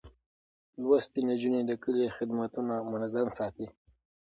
لوستې نجونې د کلي خدمتونه منظم ساتي.